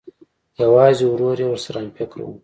یوازې ورور یې ورسره همفکره و